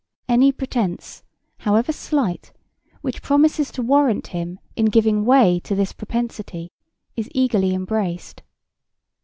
Any pretense, however slight, which promises to warrant him in giving way to this propensity is eagerly embraced.